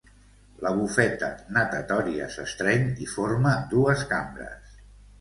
La bufeta natatòria s'estreny i forma dues cambres.